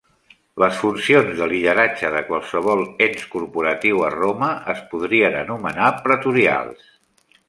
Les funcions de lideratge de qualsevol ens corporatiu a Roma es podrien anomenar pretorials.